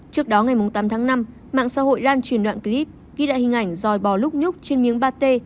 trước đó ngày tám năm mạng xã hội lan truyền đoạn clip ghi lại hình ảnh dòi bò lúc nhúc trên miếng pate